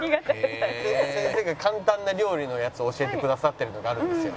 先生が簡単な料理のやつ教えてくださってるのがあるんですよ。